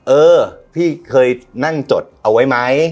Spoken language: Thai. เออพี่เคยนั่งจดเอาไว้ไหม